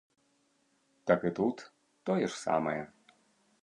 Так і тут, тое ж самае.